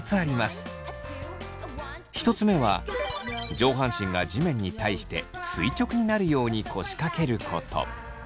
１つ目は上半身が地面に対して垂直になるように腰かけること。